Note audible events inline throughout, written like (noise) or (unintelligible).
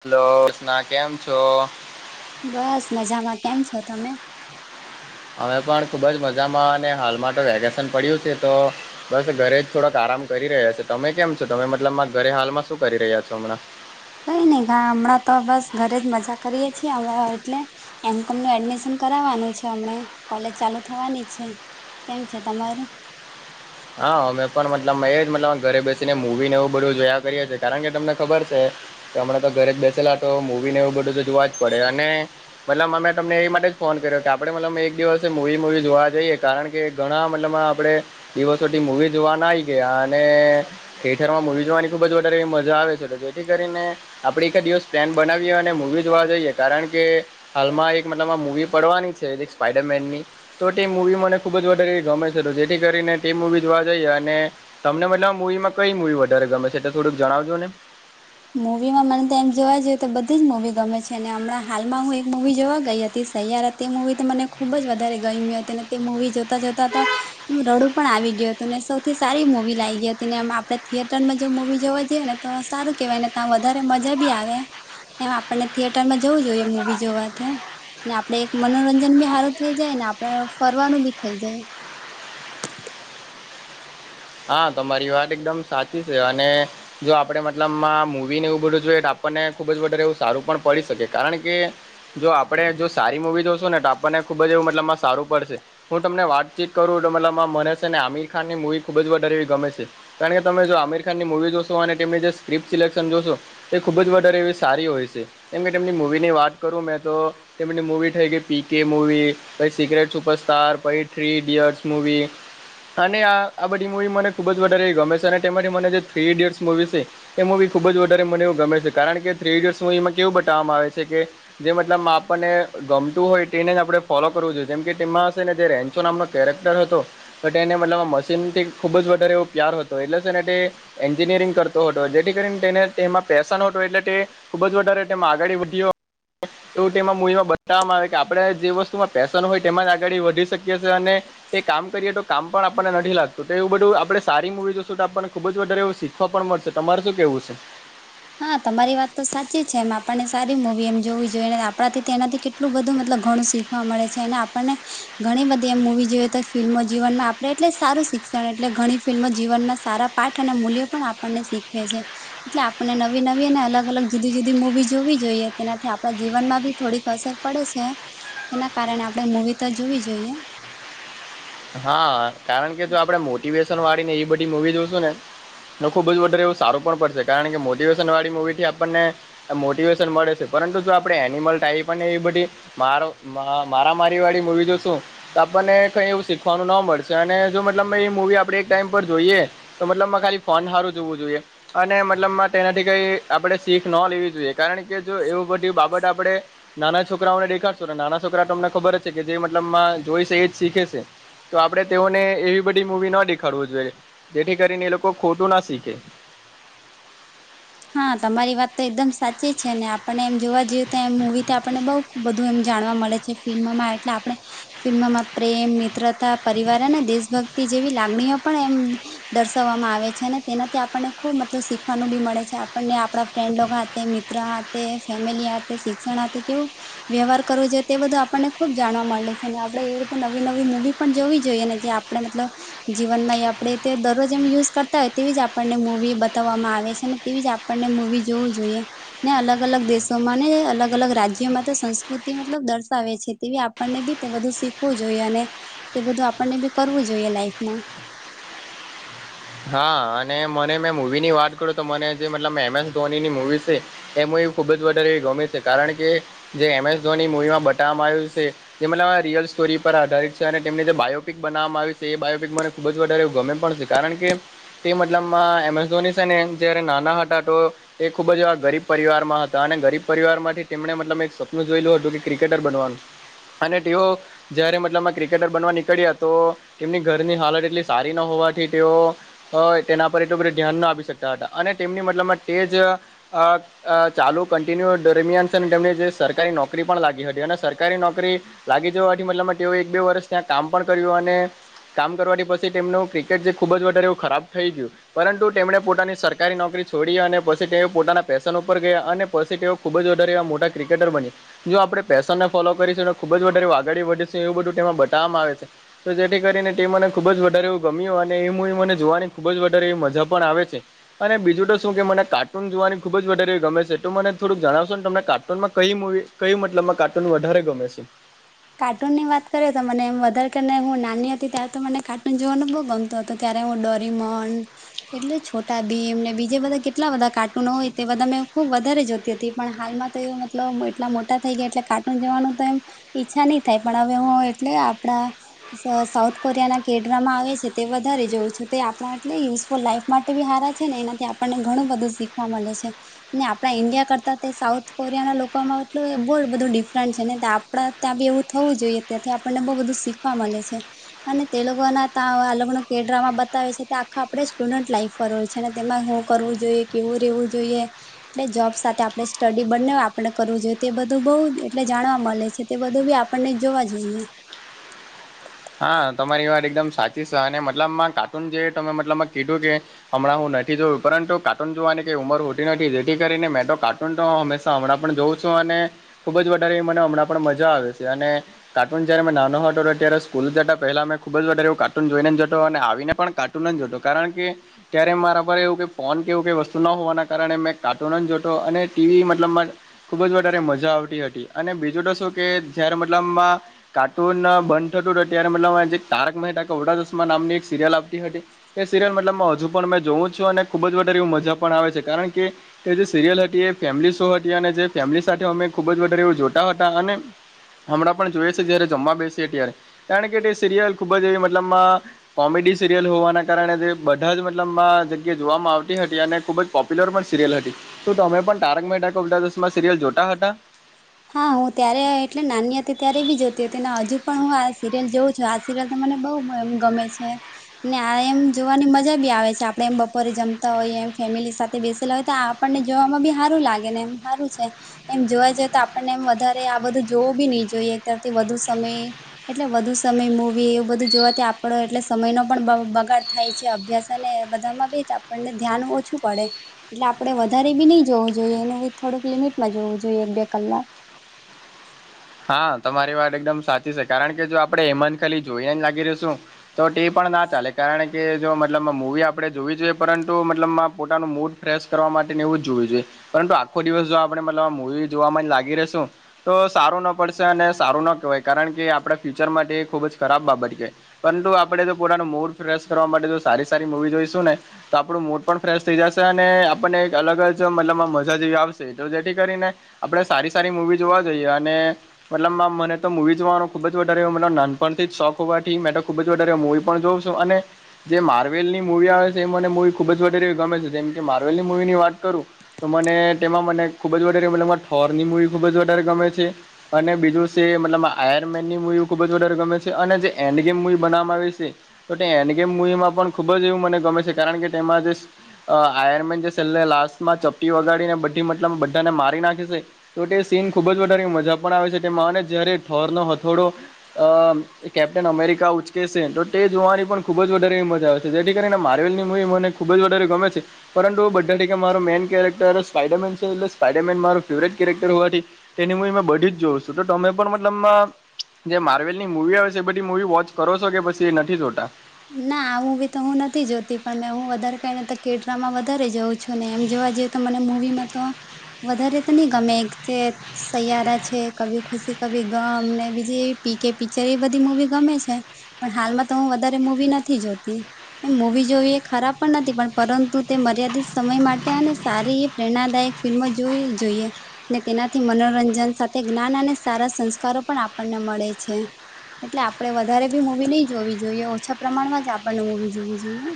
Hello ના કેમ છો? બસ મજામાં કેમ છો તમે? અમે પણ ખુબ જ મજામાં અને હાલમાં તો વેકેશન પડ્યું છે તો બસ ઘરે જ થોડાક આરામ કરી રહ્યા છેો તમે કેમ છો તમે મતલબ ઘરે હાલમાં શું કરી રહ્યા છો હમણાં કઈ નઈ હમણાં તો બસ ઘરે જ મજા કરીએ છીએ અ એટલે એમ કમનું એડમિશન કરાવવાનું છે અમને કોલેજ ચાલુ થવાની છે કેમ છે તમારું હા અમે પણ મતલબ અ એ જ મ ઘરે બેસીને મૂવી ને એવું બધું જોયા કરીએ છીએ કારણ કે તમને ખબર છે હમણાં તો ઘરે જ બેસેલા તો મૂવી ને એવું બધું તો જોવા જ પડે અને મતલબ અમે તમને એ માટે જ ફોન કર્યો કે આપડે મતલબ એક દિવસે મૂવી મુૂવી જોવા જઈએ કારણ કે ઘણા મતલબમાં આપડે દિવસોથી મુવી જોવા નાય ગયા અને થિયેટરમાં મૂવી જોવાની ખુબ જ વધારે એવી મજા આવે છે, તો જેથી કરીને આપણે એકાદ દિવસ પ્લેન બનાવીએ અને મૂવી જોવા જઈએ કારણ કે હાલમાં એક મતલબમા મૂવી પડવાની છે, એક સ્પાઈડરમેનની તો તે મૂવી મને ખુબ જ વધારે એવી ગમે છે, તો જેથી કરીને તે મૂવી જોવા જઈએ અને તમને મતલબ મૂવીમાં કઈ મૂવી વધારે ગમે છે, તે થોડુંક જણાવજો ને મૂવીમાં મને તો એમ જોવા જઈએ તો બધી જ મુવી ગમે છે, અને હમણાં હાલમાં હું એક મુવી જોવા ગઈ હતી. સૈયારા તે મુવી તો મને ખુબ જ વધારે ગઈમી હતી અને તે મુવી જોતા જોતા તો રડું પણ આવી ગયું હતું ને સૌથી સારી મુવી લાયગી હતી નેમ આપડે થિયેટરમાં જે મુવી જોવા જીએ ને તો સારું કેવાય ને તા વધારે મજા બી આવે ને આપણને થિયેટરમાં જવું જોઈએ મૂવી જોવાતે ને આપડે એક મનોરંજન બી હારું થઈ જાય ને આપડે ફરવાનું બી થઇ જાય હા તમારી વાત એકદમ સાચી છે, અને જો આપડે મતલબમાં મૂવી ને એવું બધું જોયે ત આપણને ખુબ જ વધારે એવું સારું પણ પડી શકે કારણ કે જો આપણે જો સારી મૂવી જોશું ને તો આપણને ખૂબ જ એવું મતલબમાં સારું પડશે હું તમને વાતચીત કરું મતલમાં મને છે, ને આમીર ખાનની મુવી ખૂબ જ વધારે એવી ગમે છે, કારણ કે તમે જો આમીર ખાનની મૂવી જોશો અને તેમની જે સ્ક્રિપ્ટ સિલેક્ન જોશો તે ખૂબ જ વધારે એવી સારી હોય છે, કેમ કે તેમની મૂવીની વાત કરું મેં તો તેમની મૂવી થઈ ગઈ પી કે મૂવી પહી સિક્રેટ સુપરસ્ટાર પહી થ્રી ઈડિયટ્સ મૂવી અને આ આ બધી મુવી મને ખુબ જ વધારે એવી ગમે છે, અને તેમાંથી મને જે થ્રી ઈડિયટ્સ મુવી છે. એ મુવી ખુબ જ વધારે મને એવું ગમે છે, કારણ કે થ્રી ઇડિયટસ એમાં કેવું બતાવવામાં આવે છે, કે જે મતલબમા આપણને ગમતું હોય તેને જ આપણે ફોલો કરવું જોઈએ જેમ કે તેમાં શેને જે રેન ચો નામનો કેરેક્ટર હતો ત તેને મતલબ મશીન થી ખૂબ જ વધારે એવો પ્યાર હતો એટલે સેને તે એન્જિનિયરિંગ કરતો હતો જેથી કરીને તેને એમાં પેસન હતો એટલે તે ખુબ જ વધારે તેમા આગાડી વધીય એવું તેમાં મુવીમાં બતાવવામાં આવે કે આપણે જે વસ્તુમાં પેશન હોય તેમાં જ આગળી વધી શકીએ છે, અને એ કામ કરીએ તો કામ પણ આપણને નથી લા તો તો એવું બધું આપડે સારી મુવી જોશું તો આપણને ખુબ જ વધારે એવું શીખવા પણ મળશે તમારે શું કેવું છે? હા તમારી વાત તો સાચી છે, એમ આપણને સારી મૂવી એમ જોવી જોઈએ આપણાથી તેનાથી કે ટલું બધું મતલબ ઘણું શીખવા મળે છે, અને આપણને ઘણી બધી એમ મુવી જોઈએ તો ફિલ્મ જીવનમાં આ એટલે સારું શિક્ષણ એટલે ઘણી ફિલ્મો જીવનમાં સારા પાઠ અને મૂલ્યો પણ આપણને શીખવે છે. એટલે આ પને નવી નવી અને અલગ અલગ જુદી જુદી મુવી જોવી જોઈએ તેનાથી આપણા જીવનમાં બી થોડીક અસર પડે છે. એના કારણે આપણે મૂવી ત જોવી જોઈએ. હા કારણ કે જો આપણેે મોટિવેશન વાળી ને એવી બધી મુવી જોશું ને નો ખૂબ જ વધારે એવું સારું પણ પડશે કારણ કે મોટિવેશન વાળી મૂવી થી આપણને મોટિવેશન મળે છે, પરંતુ જો આપણે એનિમલ ટાઈપ ને એવી બધી મારો મા મારા મારી વાળી મુવી જો શું તો આપણને કઈ એવું શી ખવાનું ન મળશે અને જો મતલબમા એ મૂવી આપણે એક ટાઈમ પર જોઈએ તો મતલબમાં ખાલી ફોન હારું જોવું જોઈએ અને મતલબમાં તેનાથી કઈ આપડે શીખ ન લેવી જોઈએ કારણ કે જો એવું બધી બાબત આપણે નાના છોકરાઓને દેખાડશો ત નાના છોકરા તમને ખબર જ છે, કે જે મતલબમાં જોઈ છે, એ જ શીખે છે. તો આપડે તેઓને એવી બધી મુવી ન દેખાડવુ જોઈએ જેથી કરીને એ લોકો ખોટું ના શીખે હા તમારી વાત તો એકદમ સાચી છે, ને આપણે એમ જોવા જયએ તો એમ મુવી આપણે બોવ બ ધુ એમ જાણવા મલે છે, ફિલ્મમાં એટલે આપણે ફિલ્મમાં પ્રેમ મિત્રતા પરિવાર અને દેશભક્તિ જેવી લાગણીઓ પણ એમ. દર્શાવવામાં આવે છે ને તેનાથી આપણને ખુબ મતલબ શીખવાનું બી મળે છે. આપણને આપણા ફ્રેન્ડ મિત્ર ફેમિલી શિક્ષણ કેવું. વ્યવહાર કરવો જોઈએ તે બધું આપણને ખુબ જાણવા મળે છે અને આપડે એવી રીતે નવી નવી મુવી પણ જોવી જોઈએ ને જે. આપણે મતલબ- જીવન આપડે તે દરરોજ એમ યુઝ કરતા હોય તેવી જ આપણને મૂવી બતાવવામાં આવે છેને તેવી જ આપણને મૂવી જોવ જોઈએ. ને અલગ અલગ દેશોમાં ને અલગ અલગ રાજ્યોમાં તો સંસ્કૃતિ મતલબ દર્શાવે છે તેવી. આપણને બી બધું શીખવું જોઈએ અને તે બધું આપણને બી કરવું જોઈએ લાઈફમાં હા અને મને મેં મુવી ની વાત કરું તો મને જે મતલબ એમ એસ ધોની ની મવી છે. એ મુવી ખુબ જ વધારે એવી ગમે છે કારણ કે જે એમ એસ ધોની મૂવીમાં બ ટામ આવ્યું છે જેમ રિયલ સ્ટોરી પર આધારિત છે. અને તેમને જે બાયોપિક બનાવવા ણાયું યું છે. એ બાયોપીિક મને ખૂબ જ વધારે એવું ગમે પણ છે. કારણ કે તે મતલબમાં એમેઝોની છે. ને જયારે નાના હતા તો. એ ખુબ જ એ ગરીબ પરિવારમાં હતા અને ગરીબ પરિવાર માંથી તેમને મતલબ એક સપનું જોયેલું હતું કે ક્રિકેટર બનવાનું. અને ટીઓ જયારે મતલબ ક્રિકેટર બનવા નીકળ્યા તો. તેમની ઘરની હાલત એટલી સારી ન હોવાથી તેઓ તેના પર એટલું બધું ધ્યાન ન આપી શકતા હતા અને તેમની મતલબમાં તે જ અ ચાલુ કન્ટિન્યુ દરમિયાન છે ને તેમમને જે સરકારી નોકરી પણ લાગી હતી અને સરકારી નોકરી. લાગી જ આ મતલબ તેઓ એક બે વર્ષ ત્યાં કામ પણ કર્યું અને કામ કરવાથી પછી તેમનું ક્રિકેટ જે ખુબ જ વધારે એવું ખરાબ થઈ ગયું. પરંતુ તેમણે પોતાની સરકારી નોકરી છોડી અને પછી તેઓ પોતાના પેશન ઉપર ગયા અને પછી તેઓ. ખુબ જ વધારે એવા મોટા ક્રિકેટર બની. જો આપણે પેશન ને ફોલો કરીશું ખુબ જ વધારે આગળડી વધીશ એવું બધું તેમાં બતાવવામાં આવે છે. તો જેથી કરીને તે મને ખુબ જ વધારે એવું ગમ્યું અને એ હું મને જોવાની ખુબ જ વધારે એવી મજા પણ આવે છે. અને બીજું તો શું કે મને કાર્ટૂન જોવાની ખુબ જ વધારે ગમે છે તો મને થડુંક જણાવશોને તમને કાર્ટૂનમાં કહી મવી. કય મતલબમાં કાર્ટૂન વધારે ગમે છે. કાર્ટૂન ની વાત કરીએ તો મને મધર કેને હું નાની હતી ત્યાં તો મને કાર્ટૂન જોવાનું બહુ ગમતું હતું. તો ત્યારે હું ડોરીમન એટલે છોટા ભીમને બીજે બધા કેટલા બધા કાર્ટૂનો હોય તે બધા મેં ખુબ વધારે જોતી હતી પણ હાલમાં મતલબ એટલા મોટા થઈ ગયા એટલે કાર્ટુન જવાનું તો એમ- ઈચ્છા નહી થાય પણ હવે હું એટલે આપડા સાઉથ કોરિયાના કેડરામાં આવે છે તે વધારે જોવું છેું તે આપણા એટલે યુઝફુલ લાાઈફ માટે બી હારા છે ને એનાથી આપણને ઘણું બધું શીખવા મળે છે ને આપણા ઈન્ડિયા કરતાં તે સાઉથ કોરિયા ના લોકોમાં એટલું બહુ બધું ડિફરન્ટ છે ને આપ ત્યાં બી એવું થવું જોઈએ ત્યાંથી આપણને બહુ બધું શીખવા મળે છે. અને તેલગના ત અલગનો કે ડ્રામા બતાવે છે તે આખા આપડે સુડન્ટ લાઈફ કર છે ને તેમાં શું કરવું જોઈએ કેવું રેવું જોઈએ એટલે જોબ સાથે આપણે સ્ટડી બને હોય આપડણે કરવું જોઈએ તે બધું બઉ એટલે જાણવા મળે છે. તે બધું બી આપણને જ જોવા જોઈએ હા તમારી વાત એકદમ સાચી છે. અને મતલબમાં કા્ટુન જે તમે મતલબમાં કીધું કે હમણાં હું નથી જોયું પરંતુ કાર્ટૂન જોવાની કઈ ઉંમર હોતી નથી જેથી કરીને મેં તો હંમેા હમણાં પણ જોઉં છું અને ખુબ જ વધારે મને હમણાં પણ મજા આવે છે અને કાર્ટૂન જયારે મે નાનો હતો હતો હતો ત્યારે કૂલ જતા પહેલા મે ખૂબ જ વધારેવું કાર્ટૂન જોઈને જતો અને આવીને પણ કાર્ટૂન જ જોતો કારણ કે ત્યારે મારા પર એવું ક ફોન કેવું વસ્તુ ન હોવાના કારણે મેં કાર્ટૂન જોતો અને ટીવી મતલબ ખૂબ જ વધારે મજા આવતી હતી અને બીજું તો શું કે જ્યારે મતલબમાં કાર્ટૂન બંધ થતું હત ત્યારે મતલબ તારક મહેતા કવડા ચશમા નામની એક સિરિયલ આપતી હતી એ સિરિયલ મતબમાં હજુ પણ મે જોવું છું અને ખુબ જ વારે એ મજા પણ આવે છે. કારણ કે તે જે સિરિયલ હતી એ ફેમિ શો હતી અને જે ફેમિલી સાથે અમે ખુબ જ વધારે એવ જોતા હતા અને હમણાં પણ જોઈએ છે જયારે જમવા બેસી ત્યારે કારણ કે સિરિયલ ખુબ જ એવી મતલબમાં કોમેડી સિરિયલ હોવાના કારણે જે બધા જ મતલબ આ જગ્યા જોવામાં આવતી હતી અને ખુબ જ પોપ્યુલર પણ સિરિયલ હતી તો તમે પણ તારક મમાં સિરિયલ જોતા હતા હા હું ત્યારે એટલે નાની હતી ત્યારે બી જોતી હતી અને હજુ પણ હું આ સિરિયલ જોઉં છું તલા ત મને બહુ ગમે છે ને આ એમ જોવાની મજા બી આવે છે આપડણે એમ બપોરે જમતા હોયએ એમ ફેમિલી સાથે બેસેલા હોય તો આપણને જોવામાં બી સારું લાગે ને એમ સારું છે એમ જોવા જ આપણને એમ વધારે આ બધું જોવું બી નહી જોઈએ એક તરથી વધુ સમય એટલે વધુ સમય મૂવી એવું બધું જોવાથી આપડો એટલે સમય ન પણ બગાડ થાય થાય છે અભ્યાસ અને બધામાં બી આપણને ધ્યાન ઓછું પડે એટલે આપડે વધારે બી નહી જોવું જોઈએ એનુ થોડુંક લિમિટમાં જોવું જોઈએ એક બે કલાક હા તમારી વાત એકદમ સાચી છે કારણ કે જો આપડે હેમન ખાલી જોઈને લાગી રહ્યો શું તો તે પણ ના ચાલે કારણ કે જો મતલબ મૂવી આપણે જોવી જોઈએ પરંતુ મતલબમાં પોતાનું મૂડ ફેશ કરવા માટે એવું જ જોવું જોઈએ પરંતુ આખો દિવસ જો આપણે મલ મુવી જોવા લાગી રશું તો સારું ના પડશે અને સારું ના કહેવાય કારણ કે આપડા ફ્યુચર માટે એ ખૂબ જ ખરાબ બાબત કે પરંતુ આપણેે તો પોતાનું મૂડ ફ્રેશ કરવા માટે તો સારી સારી મુવી જોઈશું ને તો આપણું મૂડ પણ ફ્રેશ થઈ જશે અને આપણને એક અલગ જ મતલબમાં મજા જેવી આવશે તો જેથી કરીને આપણે સારી સારી મવી જોવા જોઈએ અને મતલબ મને તો મૂવી જોવાનો ખુબ જ વધારે મ નાનપણથી જ શોખ હોવાથી મેં તો ખુબ જ વધારે્યો મૂવી પણ જોઉ અને જે માર્વેલ ની મુૂવી આવે છે એ મને મવી ખુબ જ વધેવી ગમે છે જેમ કે માર્વેલની મુૂવી ની વાત કરું તો મને તેમાં મને ખુબ જ વધારે મ ઠોર ની મૂવી ખુબ જ વધારે ગમે છે અને બીજું છે મતલબ આયરમેન ની મુવી ખુબ જ વધારે ગમે છે અને જે એન્ડ ગેમ મુવી બનાવામાં આવી છે તો એન કે મવીમાં પણ ખુબ જ એવું મને ગમે છે કારણ કે તેમાં જે અ આયરમેન જે છેલ્લે લાસ્ટ માં ચપી વગાડી ને બધી મતલબ બધા ને મારી નાખી છે તો તે સીન ખુબ જ વધારે મજા પણ આવે છે તેમાં અને જયારે થઠોરનો હથોડો અ કેપ્ટન અમેરિકા ઉચકે છે તો તે જોવાની પણ ખુબ જ વધારે મજા આવેશે તો જેથી કરીને માર્વેલની મૂવી મને ખૂબ જ વધારે ગમે છે પરંતુ બધા મારો મેન કેરેક્ટર સ્પાઈડરમેન છે એટલે સ્પાઈડરમેન માર ફેવરેટ કેરેક્ટર હોવાથી તેની હું બધી જ જોઉં છું તો તમે પણ મતલબમાં જે માર્વેલ ની મુૂવી આવે છે એ બધી મૂવી વોચ કરો છો કે પછી એ નથી જોતા ના આવું બી તો હું નથી જોતી પણ મેં હું વધારે કઈને તો કેટરામાં વધારે જાઉં છું ને એમ જોવા જ મને મૂવીમાં તો વધારે તો નહી ગમે (inaudible) સયારા છે કભી ખુશી કભી ગમ ને બીજી પી કે પિક્ચર એ બધી મૂવી ગમે છે પણ હાલમાં તો હું વધારે મવી નથી જોતી એ મૂવી જોવી એ ખરાબ પણ નથી પણ પરંતુ તે મર્યાદિત સમય માટે અને સારી પ્રેરણાદાયક ફિલ્મો જોઈવી જ જોઈએ ને તેનાથી મનોરંજન સાથે જ્ઞાન અને સારા સંસ્કારો પણ આપણને મળે છે એટલે આપણે વધારે બી મુવી નહી જોવી જોઈએ ઓછા પ્રમાણમાં જ આપણને મૂવી (unintelligible) જોવી જોઈએ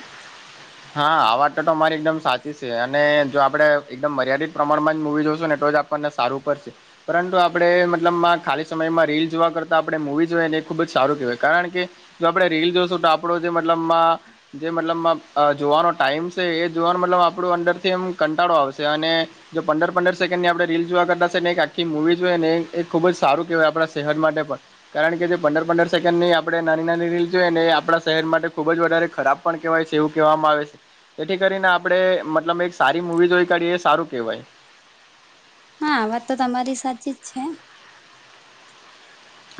હા આ વાત તો તો મારી એકદમ સાચી છે અને જો આપણે એકદમ મર્યાદિત પ્રમાણમાં જ મૂવી જોશું ને તો જ આપણને સારું પડશે પરંતુ આપણે મતલબમાં ખાલી સમયમાં રીલ જોવા કરતાં આપણે મૂવી જોઈએ ને એ ખૂબ જ સારું કહેવાય કારણ કે જો આપડે રીલ જોશું તો આપડો જે મતલબમાં જે મતલબમાં જોવાનો ટાઈમ છે એ જોવાનો મતલબ આપણું અંદરથી એમ કંટાળો આવશે અને જો પંદર પંદર સેકન્ડ ની આપણે રીલ જોવા કરતાશે ને એક આખી મૂવી જોય ને એક ખૂબ જ સારું કેહેવાય આપણા શહેર માટે પણ કારણ કે જે પંદર પંદર સેકન્ડ ની આપડણે નાની નાની રીલ જોઈએ ને એ આપણા શેહદ માટે ખુબ જ વધારે ખરાબ પણ કહેવાય છે. એવું કહેવામાં આવે છે તેથી કરીને આપણે મતલબ એક સારી મુવી જોઈ કાઢીએ એ સારું કેહેવાય હા વાત તો તમારી સાચી જ છે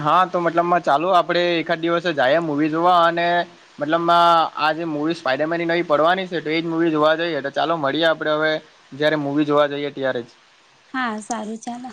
હા તો મતલબ ચાલો આપણેે એકાદ દિવસે જાયએ મુવી જોવા અને મતલબ માં આ જે મુવીઝ ફાયદામેની નવી પડવાની છે તો એ જ મુવી જોવા જઈએ તો ચાલો મળીએ આપડે હવે જયારે મૂવી જોવા જઈએ ત્યારે જ- હા સારું ચાલો